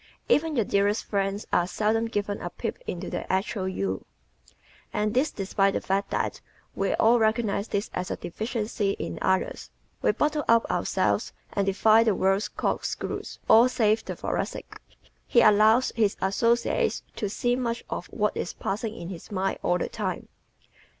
Even your dearest friends are seldom given a peep into the actual You. And this despite the fact that we all recognize this as a deficiency in others. We bottle up ourselves and defy the world's cork screws all save the Thoracic. He allows his associates to see much of what is passing in his mind all the time.